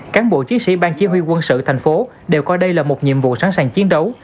cán bộ chiến sĩ bang chỉ huy quân sự thành phố đều coi đây là một nhiệm vụ sẵn sàng chiến đấu